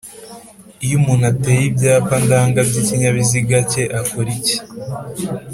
iyo umuntu ateye Ibyapa ndanga by’ikinyabiziga cye akora iki